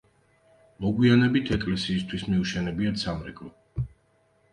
მოგვიანებით ეკლესიისთვის მიუშენებიათ სამრეკლო.